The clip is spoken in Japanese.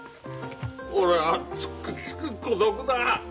俺はつくづく孤独だ。